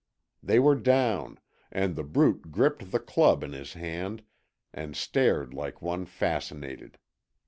They were down, and The Brute gripped the club in his hand and stared like one fascinated.